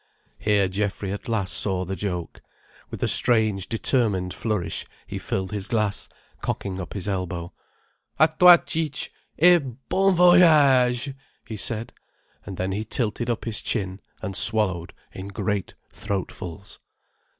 Here Geoffrey at last saw the joke. With a strange determined flourish he filled his glass, cocking up his elbow. "A toi, Cic'—et bon voyage!" he said, and then he tilted up his chin and swallowed in great throatfuls.